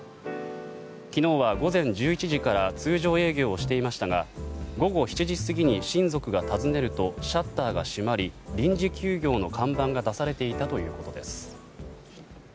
昨日は午前１１時から通常営業をしていましたが午後７時過ぎに親族が訪ねるとシャッターが閉まり臨時休業の看板が出されていたということです。